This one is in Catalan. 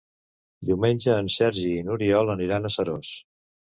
Diumenge en Sergi i n'Oriol aniran a Seròs.